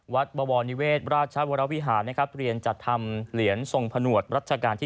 บวรนิเวศราชวรวิหารนะครับเรียนจัดทำเหรียญทรงผนวดรัชกาลที่๙